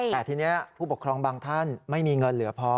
แต่ทีนี้ผู้ปกครองบางท่านไม่มีเงินเหลือพอ